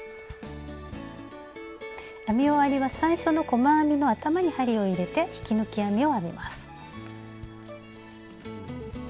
編み終わりは最初の細編みの頭に針を入れて引き抜き編みを編みます。